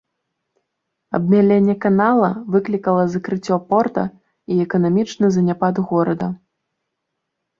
Абмяленне канала выклікала закрыццё порта і эканамічны заняпад горада.